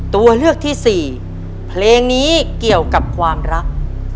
ตัวเลือกที่สี่เพลงนี้เกี่ยวกับความรัก